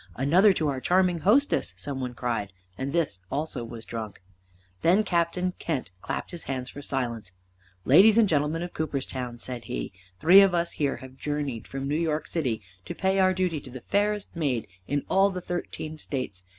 "Another to our charming hostess!" some one cried, and this also was drunk. Then Captain Kent clapped his hands for silence. "Ladies and gentlemen of Cooperstown," said he, "three of us here have journeyed from New York City to pay our duty to the fairest maid in all the thirteen states.